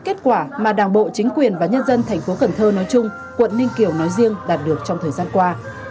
kết quả mà đảng bộ chính quyền và nhân dân thành phố cần thơ nói chung quận ninh kiều nói riêng đạt được trong thời gian qua